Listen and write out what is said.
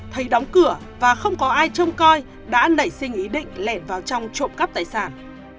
thấy đóng cửa và không có ai trông coi đã nảy sinh ý định lẻn vào trong trộm cắp tài sản